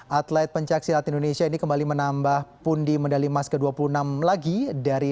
hai atlet pencaksilat indonesia ini kembali menambah pundi medali mas ke dua puluh enam lagi dari